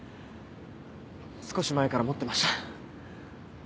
少し前から持ってました。